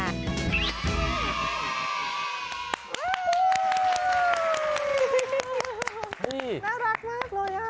น่ารักมากเลยอะ